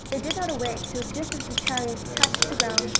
They did not awake till just as the chariots touched the ground.